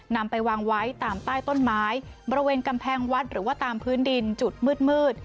นำไปวางไว้ตามใต้ต้นไม้บริเวณกำแพงวัดหรือว่าตามพื้นดินจุดมืด